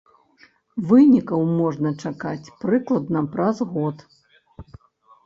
Вынікаў можна чакаць прыкладна праз год.